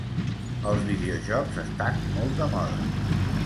Els videojocs estan molt de moda.